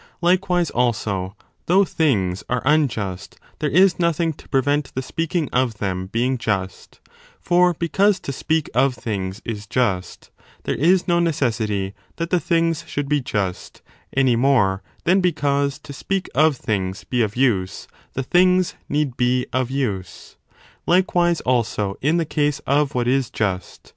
Like wise also, though things are unjust, there is nothing to pre 35 vent the speaking of them being just : for because to speak of things is just, there is no necessity that the things should be just, any more than because to speak of things be of use, the things need be of use. Likewise also in the case of what is just.